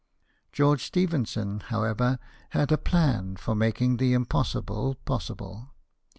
George Stephenson, however, had a plan for making the impossible possible.